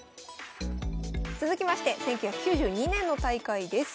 続きまして１９９２年の大会です。